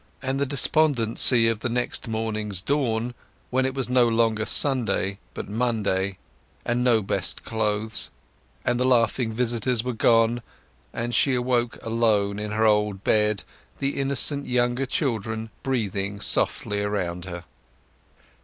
And the despondency of the next morning's dawn, when it was no longer Sunday, but Monday; and no best clothes; and the laughing visitors were gone, and she awoke alone in her old bed, the innocent younger children breathing softly around her.